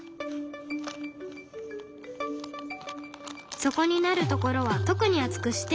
底になるところは特に厚くして。